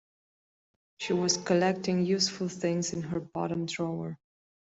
She was collecting useful things in her bottom drawer